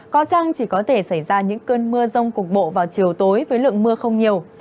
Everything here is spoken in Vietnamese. có chăng chỉ có thể xảy ra những cơn mưa rông cục bộ vào chiều tối với lượng mưa không nhiều